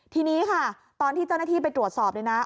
ทีนี้ค่ะตอนที่เจ้าหน้าที่ไปตรวจสอบเลยนะ